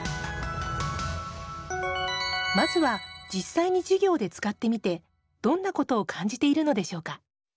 まずは、実際に授業で使ってみてどんなことを感じているのでしょうか？